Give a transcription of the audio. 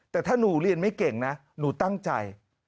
แต่ถ้าหนูเรียนไม่เก่งนะหนูตั้งใจ